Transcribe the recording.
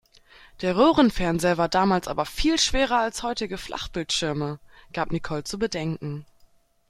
Der Röhrenfernseher war damals aber viel schwerer als heutige Flachbildschirme, gab Nicole zu bedenken.